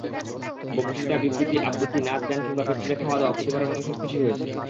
বক্তৃতা, বিবৃতি, আবৃত্তি, নাচ, গান কিংবা পেটপুরে খাওয়া দাওয়া প্রতিবারের মতো সবকিছুই হয়েছে।